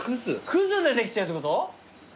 葛でできてるってこと？